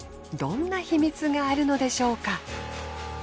どんな秘密があるのでしょうか？